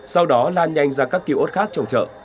sau đó lan nhanh ra các kiệu ốt khác trong chợ